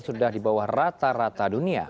sudah di bawah rata rata dunia